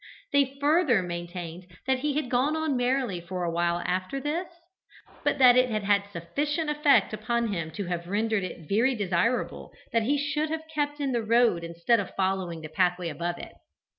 They further maintained that he had gone on merrily for a while after this, but that it had had sufficient effect upon him to have rendered it very desirable that he should have kept in the road instead of following the pathway above it.